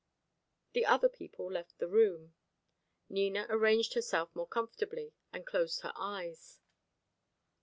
The other people left the room. Nina arranged herself more comfortably, and closed her eyes.